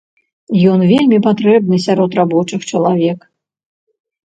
Ён вельмі патрэбны сярод рабочых чалавек.